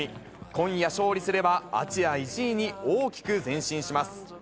今夜勝利すれば、アジア１位に大きく前進します。